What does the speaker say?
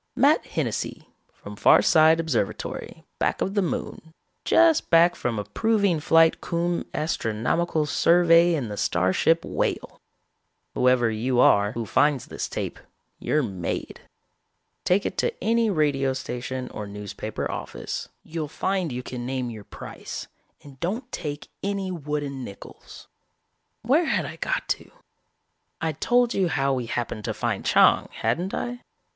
Matt Hennessy, from Farside Observatory, back of the Moon, just back from a proving flight cum astronomical survey in the starship Whale. Whoever you are who finds this tape, you're made. Take it to any radio station or newspaper office. You'll find you can name your price and don't take any wooden nickels. "Where had I got to? I'd told you how we happened to find Chang, hadn't I?